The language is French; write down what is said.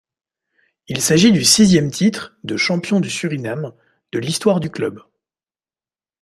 Il s’agit du sixième titre de champion du Suriname de l'histoire du club.